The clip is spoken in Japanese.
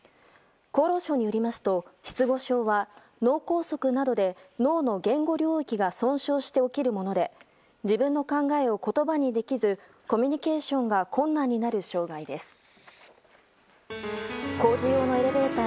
厚労省によりますと失語症は脳梗塞などで脳の言語領域が損傷して起きるもので自分の考えを言葉にできずコミュニケーションが困難になる障害です。